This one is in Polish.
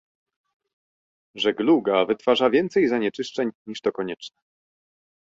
Żegluga wytwarza więcej zanieczyszczeń, niż to konieczne